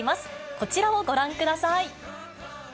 こちらをご覧ください。